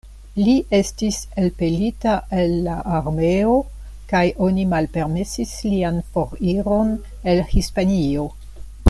Li estis elpelita el la armeo kaj oni malpermesis lian foriron el Hispanio.